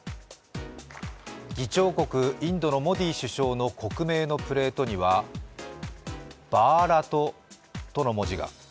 議長国インドのモディ首相の国名のプレートには「バーラト」との文字が。